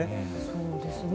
そうですね。